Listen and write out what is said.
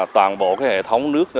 toàn bộ hệ thống